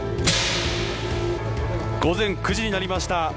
午前９時になりました。